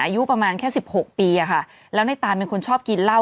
อายุประมาณแค่สิบหกปีอะค่ะแล้วในตานเป็นคนชอบกินเหล้า